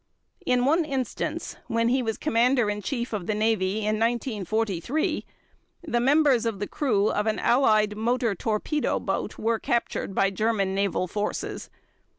In one instance, when he was Commander in Chief of the Navy, in 1943, the members of the crew of an Allied motor torpedo boat were captured by German Naval Forces.